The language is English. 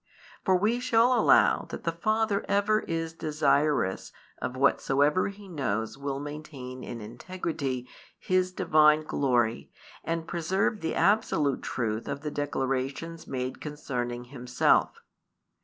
For we shall allow that the Father ever is desirous of whatsoever He knows will maintain in integrity His Divine glory and preserve the absolute truth of the declarations made concerning Himself.